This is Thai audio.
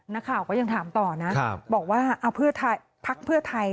นักข่าวก็ยังถามต่อนะบอกว่าพักเพื่อไทย